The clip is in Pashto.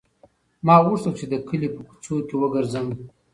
ما غوښتل چې د کلي په کوڅو کې وګرځم.